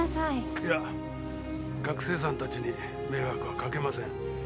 いや学生さんたちに迷惑はかけません。